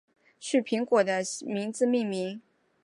旭苹果的名字命名。